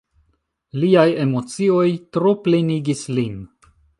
Liaj emocioj troplenigis lin.